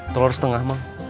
telur setengah mah